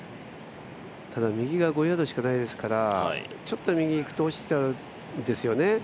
ただ、右が５ヤードしかないですから、ちょっと右行くと落ちちゃうんですよね。